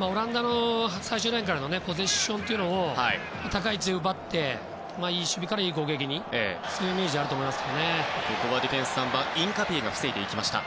オランダの最終ラインからのポゼッションを高い位置で奪っていい守備からいい攻撃にするそういうイメージがあると思います。